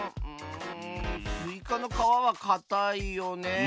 うんスイカのかわはかたいよね。